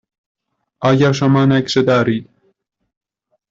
آیا شما نقشه دارید؟